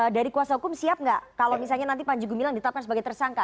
dari kuasa hukum siap nggak kalau misalnya nanti panji gumilang ditetapkan sebagai tersangka